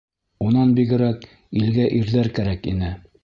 Унан бигерәк, илгә ирҙәр кәрәк ине.